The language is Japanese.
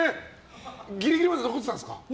ギリギリまで残ってたんですか？